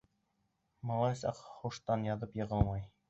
Малай саҡ һуштан яҙып йығылмай.